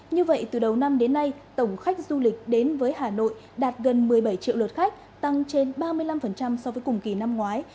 như vậy từ đầu năm đến nay tổng khách du lịch đến với hà nội đạt gần một mươi bảy triệu lượt khách tăng trên ba mươi năm so với cùng kỳ năm ngoái